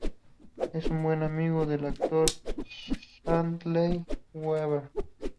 Es buen amigo del actor Stanley Weber.